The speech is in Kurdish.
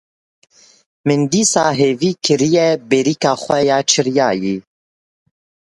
Min dîsa hêvî kiriye berîka xwe ya çiriyayî.